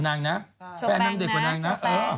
หนังแฟนหนังเด็กด้วยเด็กกับนางนะ